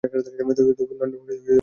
তবু, নন্দ হয়তো বিন্দুকে ভালোবাসে।